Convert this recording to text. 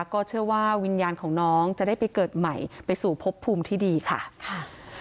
ก็เชื่อว่าวิญญาณของน้องจะได้ไปเกิดใหม่ไปสู่พบภูมิที่ดีค่ะค่ะ